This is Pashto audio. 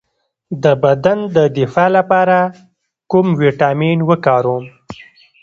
د بدن د دفاع لپاره کوم ویټامین وکاروم؟